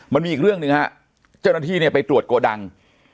มันมีอีกเรื่องหนึ่งฮะเจ้าหน้าที่เนี่ยไปตรวจโกดัง